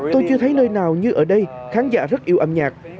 tôi chưa thấy nơi nào như ở đây khán giả rất yêu âm nhạc